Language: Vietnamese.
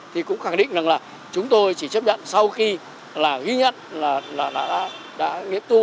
thì cũng khẳng định rằng là chúng tôi chỉ chấp nhận sau khi là ghi nhận là đã nghiệp tu